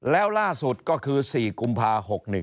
แล้วล่าสุดก็คือ๔กุมภา๖๑